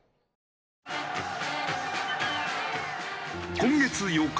今月８日